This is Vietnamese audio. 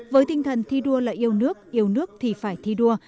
với tinh thần thi đua là yêu nước yêu nước thì phải thi đua